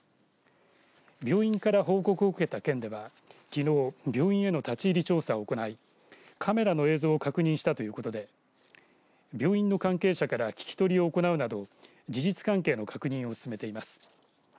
病院から報告を受けた県ではきのう病院への立ち入り調査を行いカメラの映像を確認したということで病院の関係者から聞き取りを行うなど事実関係の確認を進めています。